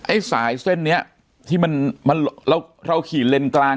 ไอ้สายเส้นนี้ที่มันเราขี่เลนกลาง